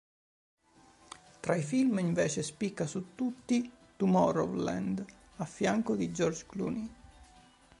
Tra i film invece spicca su tutti "Tomorrowland" a fianco di George Clooney.